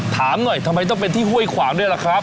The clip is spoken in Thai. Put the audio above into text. ถามหน่อยทำไมต้องเป็นที่ห้วยขวางด้วยล่ะครับ